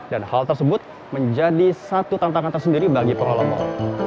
dan hal tersebut menjadi satu tantangan tersendiri bagi pengolah mal